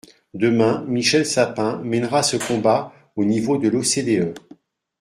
Demain, Michel Sapin mènera ce combat au niveau de l’OCDE.